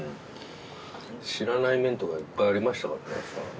知らない面とかいっぱいありましたからね